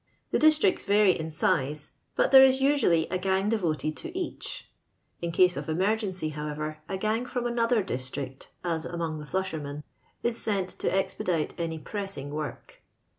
The districts vary in size, but there it usually a gang devoted to each: in case of emergency, however, a gang froin another district (as among the flushermen) is sent to expedite any pressing woik.